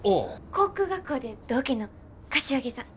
航空学校で同期の柏木さん。